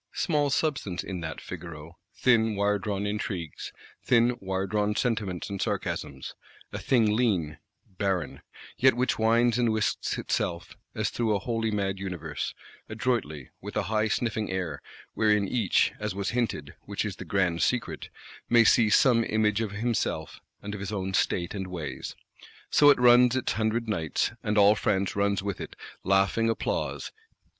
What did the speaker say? Small substance in that Figaro: thin wiredrawn intrigues, thin wiredrawn sentiments and sarcasms; a thing lean, barren; yet which winds and whisks itself, as through a wholly mad universe, adroitly, with a high sniffing air: wherein each, as was hinted, which is the grand secret, may see some image of himself, and of his own state and ways. So it runs its hundred nights, and all France runs with it; laughing applause.